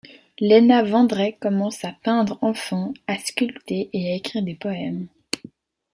Lena Vandrey commence à peindre enfant, à sculpter et à écrire des poèmes.